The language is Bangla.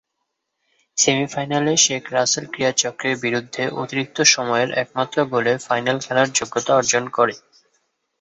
সেমিফাইনালে শেখ রাসেল ক্রীড়া চক্রের বিরুদ্ধে অতিরিক্ত সময়ের একমাত্র গোলে ফাইনালে খেলার যোগ্যতা অর্জন করে।